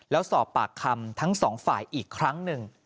แล้วสอบปากคำทั้งสองฝ่ายอีกครั้งหนึ่ง